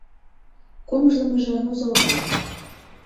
Комыжлымыжо нузылга...